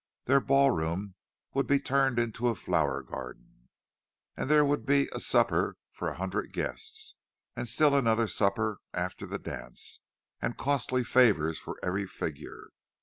Their ballroom would be turned into a flower garden; and there would be a supper for a hundred guests, and still another supper after the dance, and costly favours for every figure.